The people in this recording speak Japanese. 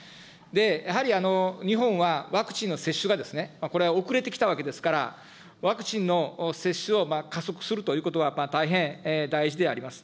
やはり日本はワクチンの接種がこれは遅れてきたわけですから、ワクチンの接種を加速するということは大変大事であります。